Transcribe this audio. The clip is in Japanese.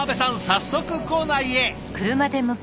早速坑内へ。